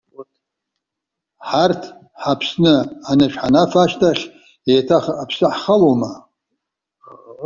Ҳарҭ ҳаԥсны, анышә ҳанафа ашьҭахь, еиҭах аԥсы ҳхалоума?